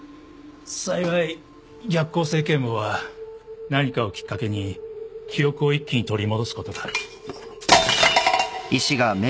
幸い逆向性健忘は何かをきっかけに記憶を一気に取り戻すことがある。